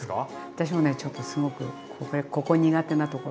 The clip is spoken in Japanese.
私もねちょっとすごくここ苦手なところ。